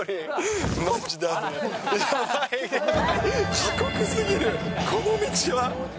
過酷すぎる、この道は。